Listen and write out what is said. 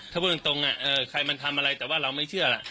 ถ้าพูดตรงใครมันทำอะไรแต่ว่าเราไม่เชื่อล่ะ